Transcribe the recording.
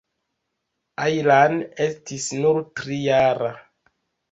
Ajlan estis nur trijara.